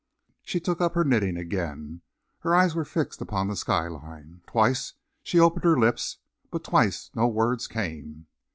She took up her knitting again. Her eyes were fixed upon the sky line. Twice she opened her lips, but twice no words came.